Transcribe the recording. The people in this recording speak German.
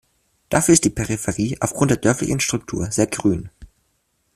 Dafür ist die Peripherie aufgrund der dörflichen Struktur sehr grün.